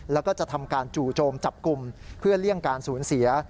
แล้วก็จะทำการจู่โจมจับกลุ่มเพื่อเลี่ยงการสูญเสีย